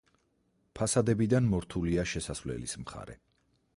ფასადებიდან მორთულია შესასვლელის მხარე.